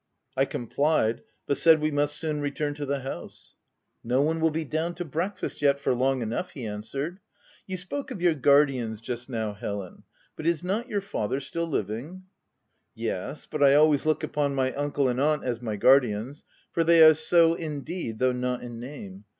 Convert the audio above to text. I complied ; but said we must soon return to the house. u No one will be down to breakfast yet, for long enough," he answered. " You spoke of your guardians just now, Helen, but is not your father still living ?" u Yes, but I always look upon my uncle and aunt as my guardians, for they are so, in deed, though not in name.